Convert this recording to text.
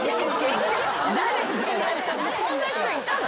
そんな人いたの？